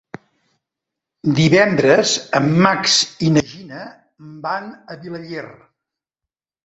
Divendres en Max i na Gina van a Vilaller.